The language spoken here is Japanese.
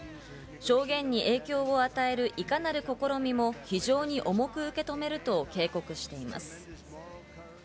証言に影響を与えるいかなる試みも非常に重く受け止めると警告しています。